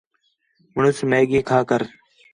مُݨس میگی کھا کر